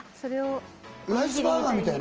ライスバーガーみたいな？